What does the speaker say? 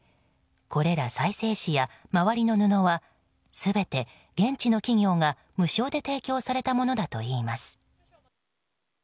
これら再生紙や周りの布は全て現地の企業が無償で提供されたものだといいます。